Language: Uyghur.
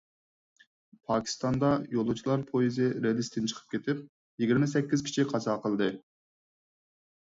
پاكىستاندا يولۇچىلار پويىزى رېلىستىن چىقىپ كېتىپ، يىگىرمە سەككىز كىشى قازا قىلدى.